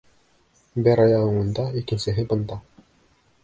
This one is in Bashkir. Бер аяғың унда, икенсеһе бында!..